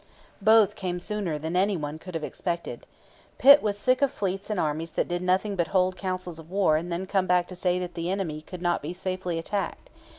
Both came sooner than any one could have expected. Pitt was sick of fleets and armies that did nothing but hold councils of war and then come back to say that the enemy could not be safely attacked.